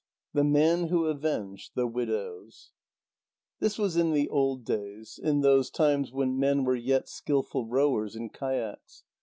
THE MAN WHO AVENGED THE WIDOWS This was in the old days, in those times when men were yet skilful rowers in kayaks.